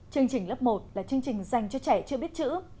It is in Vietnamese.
chương trình lớp một là chương trình dành cho trẻ chưa biết chữ